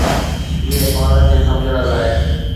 جيئن پاڻ کي سمجھڻ لاء.